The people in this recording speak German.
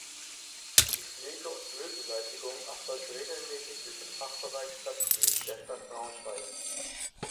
Die Pflege und Müllbeseitigung erfolgt regelmäßig durch den Fachbereich Stadtgrün der Stadt Braunschweig.